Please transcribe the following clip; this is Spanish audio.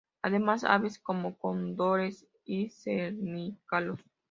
Además, aves como cóndores y cernícalos.